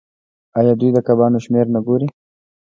آیا دوی د کبانو شمیر نه ګوري؟